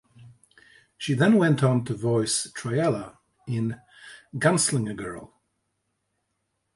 She then went on to voice Triela in "Gunslinger Girl".